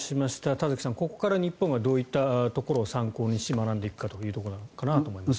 田崎さん、ここから日本はどういったことを参考にし学んでいくかというところなのかなと思います。